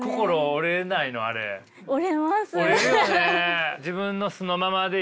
折れるよね。